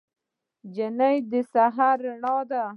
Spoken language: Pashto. نجلۍ د سحر رڼا ده.